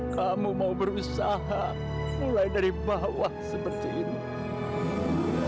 kamu mau berusaha mulai dari bawah seperti ini